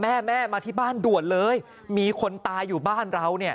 แม่แม่มาที่บ้านด่วนเลยมีคนตายอยู่บ้านเราเนี่ย